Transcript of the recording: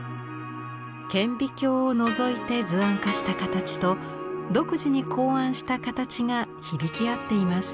顕微鏡をのぞいて図案化した形と独自に考案した形が響き合っています。